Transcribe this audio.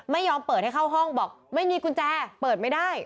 ไม่ยอมเปิดให้เข้าห้องบอกไม่มีกุญแจเปิดไม่ได้